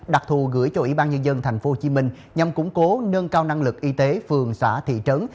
đặc thù gửi cho ủy ban nhân dân tp hcm nhằm củng cố nâng cao năng lực y tế phường xã thị trấn